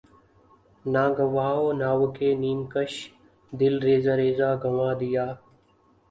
نہ گنواؤ ناوک نیم کش دل ریزہ ریزہ گنوا دیا